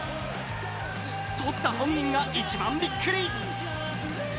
とった本人が一番びっくり。